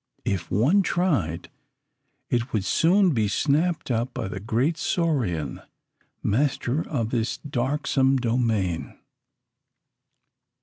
If one tried, it would soon be snapped up by the great saurian, master of this darksome domain.